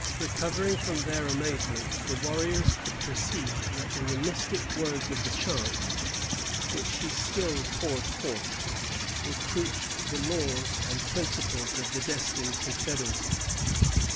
Recovering from their amazement, the warriors could perceive that in the mystic words of the chant, which he still poured forth, were couched the laws and principles of the destined confederacy.